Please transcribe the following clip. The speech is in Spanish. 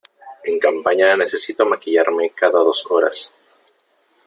En campaña necesito maquillarme cada dos horas.